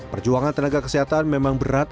perjuangan tenaga kesehatan memang berat